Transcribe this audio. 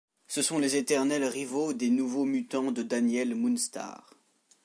Ce sont les éternels rivaux des Nouveaux Mutants de Danielle Moonstar.